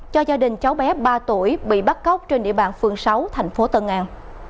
cho gia đình cháu bé ba tuổi bị bắt cóc trên địa bàn phường sáu thành phố tân an